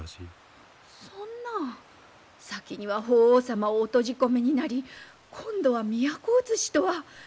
そんな先には法皇様をお閉じ込めになり今度は都移しとは。